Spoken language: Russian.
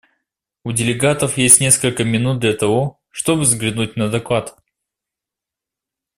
У делегатов есть несколько минут для того, чтобы взглянуть на доклад.